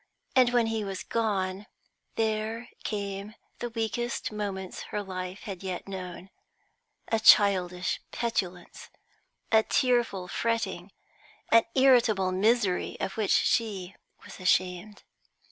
And when he was gone, there came the weakest moments her life had yet known; a childish petulance, a tearful fretting, an irritable misery of which she was ashamed.